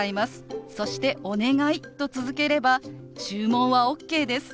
そして「お願い」と続ければ注文はＯＫです。